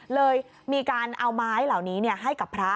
เลยมีการเอาไม้เหล่านี้ให้กับพระ